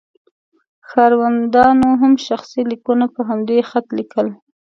ښاروندانو هم شخصي لیکونه په همدې خط لیکل.